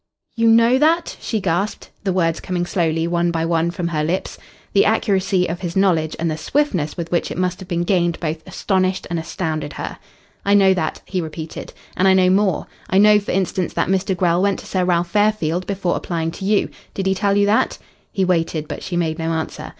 "You know that?" she gasped, the words coming slowly one by one from her lips. The accuracy of his knowledge, and the swiftness with which it must have been gained both astonished and astounded her. "I know that," he repeated. "And I know more. I know, for instance, that Mr. Grell went to Sir Ralph Fairfield before applying to you. Did he tell you that?" He waited, but she made no answer.